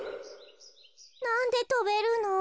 なんでとべるの？